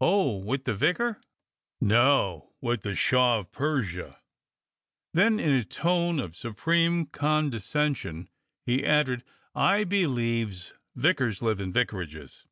"Oh, with the vicar?" "No, with the Shah of Persia." Then in a tone of supreme condescension he added: "I believes vicars lives in vicarages!"